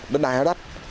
đất đai nó đắt